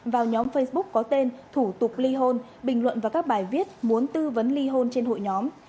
vào nhóm facebook có tên thủ tục ly hôn bình luận và các bài viết muốn tư vấn ly hôn trên hội nhóm